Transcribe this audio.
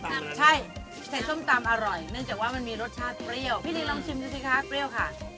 ใช่ใส่ส้มตำอร่อยเนื่องจากว่ามันมีรสชาติเปรี้ยว